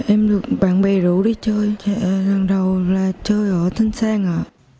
em được bạn bè rủ đi chơi chơi lần đầu là chơi ở thân sang ạ